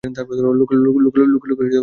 লোকে লোকে ভরে গেল।